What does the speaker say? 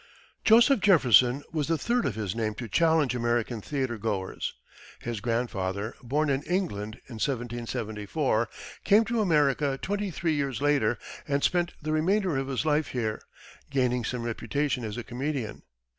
Joseph Jefferson was the third of his name to challenge American theatre goers. His grandfather, born in England, in 1774, came to America twenty three years later and spent the remainder of his life here, gaining some reputation as a comedian.